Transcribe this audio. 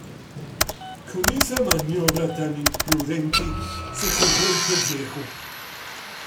Con esa maniobra tan imprudente, se jugó el pellejo